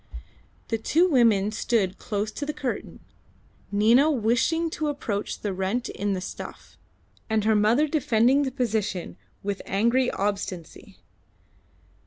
The two women stood close to the curtain, Nina wishing to approach the rent in the stuff, and her mother defending the position with angry obstinacy.